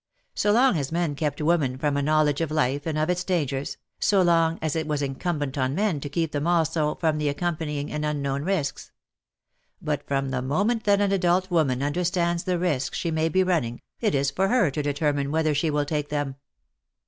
So long as men kept women from a knowledge of life and of its dangers, so long was it incumbent on men to keep them also from the accompanying and unknown risks. But from the moment that an adult woman understands the risks she may be running, it is for her to determine whether she will take them.